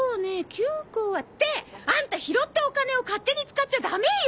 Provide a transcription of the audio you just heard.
９個はってアンタ拾ったお金を勝手に使っちゃダメよ！